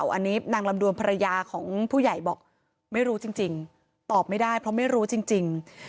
อันนี้นางลำดวนภรรยาของผู้ใหญ่บอกไม่รู้จริงตอบไม่ได้เพราะไม่รู้จริง